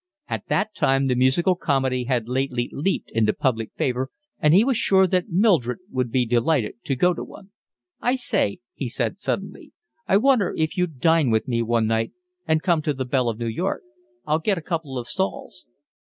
At that time the musical comedy had lately leaped into public favour, and he was sure that Mildred would be delighted to go to one. "I say," he said suddenly, "I wonder if you'd dine with me one night and come to The Belle of New York. I'll get a couple of stalls."